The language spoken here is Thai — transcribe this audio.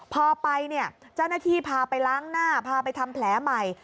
พอไปเนี่ยเจ้าหน้าที่พาไปล้างหน้าพาไปทำแผลใหม่